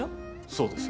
そうですよ。